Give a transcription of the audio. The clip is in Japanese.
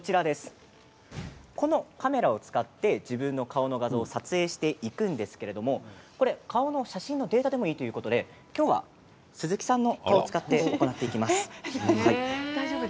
このカメラを使って自分の顔の画像を撮影していくんですけれど顔の写真のデータでもいいということで、今日は鈴木さんの写真を使っていきます。